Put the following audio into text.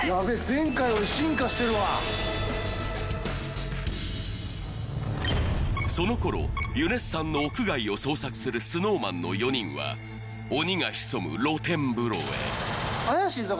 前回より進化してるわその頃ユネッサンの屋外を捜索するＳｎｏｗＭａｎの４人は鬼が潜む露天風呂へ怪しいぞ